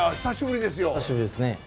久しぶりですね。